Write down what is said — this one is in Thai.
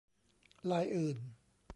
ลายอื่น